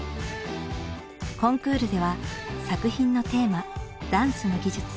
コンクールでは作品のテーマ・ダンスの技術